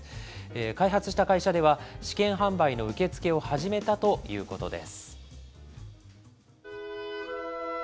開発した会社では、試験販売の受け付けを始めたということです。